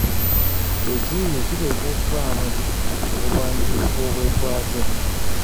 Ekiyiiye kiteekwa okubaamu obulwanirizi bw’obwetwaze.